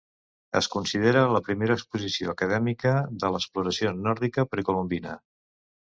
Es considera la primera exposició acadèmica de l'exploració nòrdica precolombina.